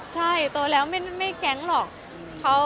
ใช่โตแล้วไม่แก๊งหรอก